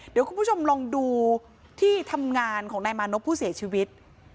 เดี๋ยวคุณผู้ชมลองดูที่ทำงานของนายมานพผู้เสียชีวิต